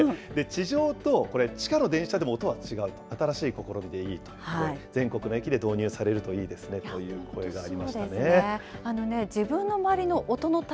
地上とこれ、地下の電車でも音は違うと、新しい試みでいいと、全国の駅で導入されるといいですねという声があ